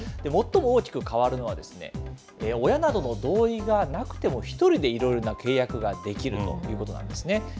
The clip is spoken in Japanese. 最も大きく変わるのは、親などの同意がなくても、１人でいろいろな契約ができるということなんですね。